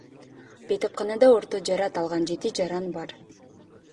Бейтапканада орто жарат алган жети жаран бар.